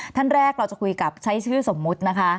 ท่านแรกเราจะคุยกับใช้ชื่อสมมุตินะคะ